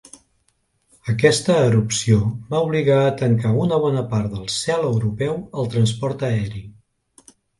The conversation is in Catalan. Aquesta erupció va obligar a tancar una bona part de cel europeu al transport aeri.